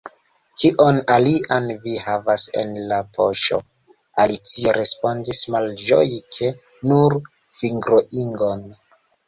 “Kion alian vi havas en la poŝo?” Alicio respondis malĝoje ke “nur fingroingon.”